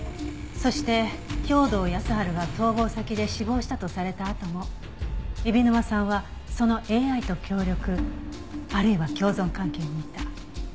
そして兵働耕春が逃亡先で死亡したとされたあとも海老沼さんはそのＡＩと協力あるいは共存関係にいた。